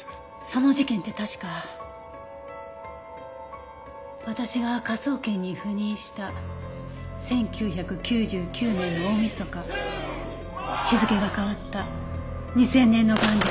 その事件って確か私が科捜研に赴任した１９９９年の大みそか日付が変わった２０００年の元日の未明。